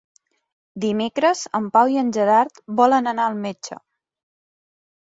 Dimecres en Pau i en Gerard volen anar al metge.